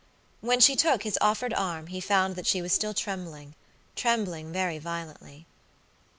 When she took his offered arm he found that she was still tremblingtrembling very violently.